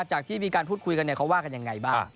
จากที่มีการพูดคุยกันเขาว่ากันยังไงบ้าง